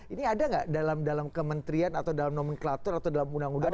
ini ada nggak dalam kementerian atau dalam nomenklatur atau dalam undang undang